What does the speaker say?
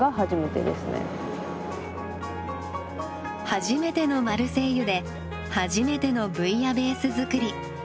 初めてのマルセイユで初めてのブイヤベース作り。